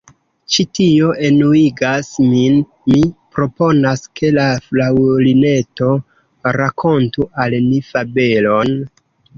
Ĉi tio enuigas min! Mi proponas ke la Fraŭlineto rakontu al ni fabelon.